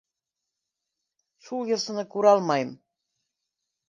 Шул йырсыны күрә алмайым.